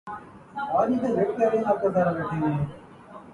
اہلِ بینش کو‘ ہے طوفانِ حوادث‘ مکتب